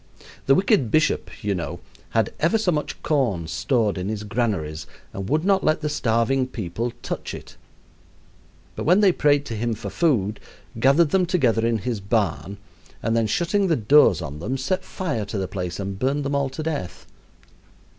The wicked bishop, you know, had ever so much corn stored in his granaries and would not let the starving people touch it, but when they prayed to him for food gathered them together in his barn, and then shutting the doors on them, set fire to the place and burned them all to death.